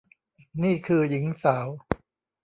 นี่คือหญิงสาว